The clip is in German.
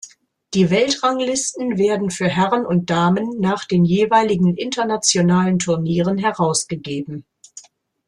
Die Weltranglisten werden für Herren und Damen nach den jeweiligen internationalen Turnieren herausgegeben.